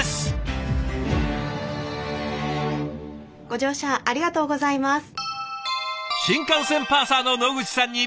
ご乗車ありがとうございます。